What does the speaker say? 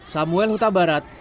samuel huta barat